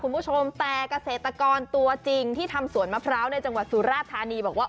คุณผู้ชมแต่เกษตรกรตัวจริงที่ทำสวนมะพร้าวในจังหวัดสุราธานีบอกว่า